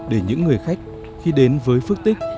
để những người khách khi đến với phật tịch